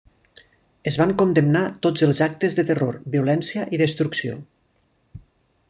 Es van condemnar tots els actes de terror, violència i destrucció.